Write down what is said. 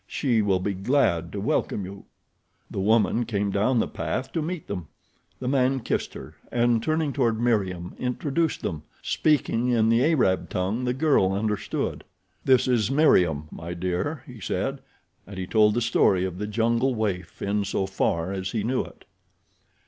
"She will be glad to welcome you." The woman came down the path to meet them. The man kissed her, and turning toward Meriem introduced them, speaking in the Arab tongue the girl understood. "This is Meriem, my dear," he said, and he told the story of the jungle waif in so far as he knew it.